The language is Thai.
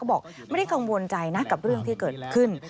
บอกไม่ได้กังวลใจนะกับเรื่องที่เกิดขึ้น